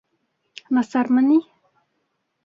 Насармы ни?